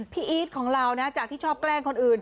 อีทของเรานะจากที่ชอบแกล้งคนอื่น